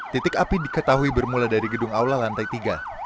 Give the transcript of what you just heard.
titik api diketahui bermula dari gedung aula lantai tiga